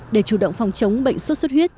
để chủ động phòng chống bệnh xuất xuất huyết